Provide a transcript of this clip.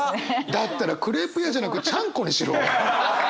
だったらクレープ屋じゃなくちゃんこにしろ！